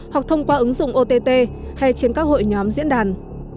hoặc thông qua ứng dụng ott hay trên các hội nhóm diễn đàn